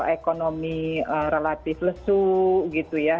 ekonomi relatif lesu gitu ya